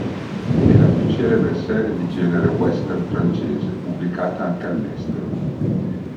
È la più celebre serie di genere western francese, pubblicata anche all'estero.